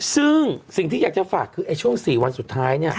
ซึ่งสิ่งที่อยากจะฝากคือช่วง๔วันสุดท้ายเนี่ย